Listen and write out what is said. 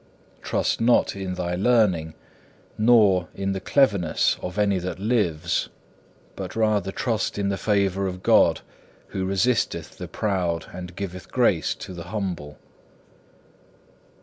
Trust not in thy learning, nor in the cleverness of any that lives, but rather trust in the favour of God, who resisteth the proud and giveth grace to the humble.